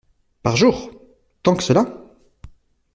Par jour ! tant que cela ?